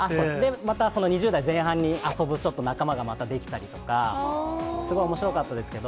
また２０代前半に遊ぶ仲間がまた出来たりとか、すごいおもしろかったですけど。